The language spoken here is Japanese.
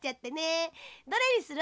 どれにする？